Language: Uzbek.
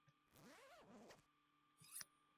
gullab berar yoki boʼlmasa